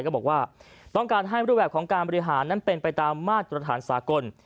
ก็บอกว่าต้องการให้รูปแบบของการบริหารนั้นเป็นไปตามมาตรฐานสากล